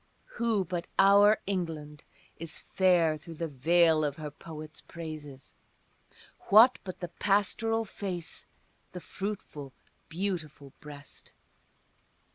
Who but our England is fair through the veil of her poets' praises, What but the pastoral face, the fruitful, beautiful breast?